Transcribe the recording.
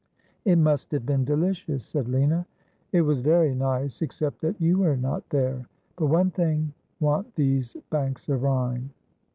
' It must have been delicious,' said Lina. ' It was very nice — except that you were not there. " But one thing want these banks of Rhine."